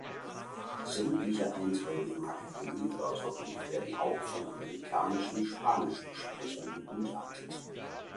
Sämtliche Einträge im Akademie-Wörterbuch werden auch von amerikanischen Spanisch-Sprechern begutachtet.